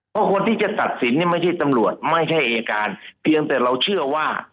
เพราะคนที่จะตัดสินเนี่ยไม่ใช่ตำรวจไม่ใช่อายการเพียงแต่เราเชื่อว่า